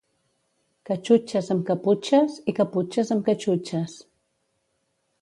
Catxutxes amb caputxes i caputxes amb catxutxes.